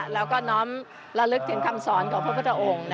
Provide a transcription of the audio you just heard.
แล้วก็น้อมระลึกถึงคำสอนของพระพุทธองค์